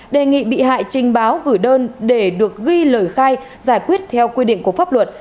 đề nghị bị hại trình báo gửi đơn để được ghi lời khai giải quyết theo quy định của pháp luật